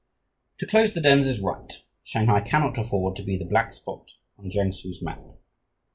"To close the dens is right. Shanghai cannot afford to be the black spot on Kiangsu's map.